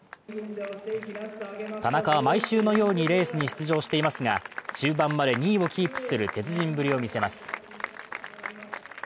田中は毎週のようにレースに出場していますが中盤まで２位をキープする鉄人ぶりを見せます。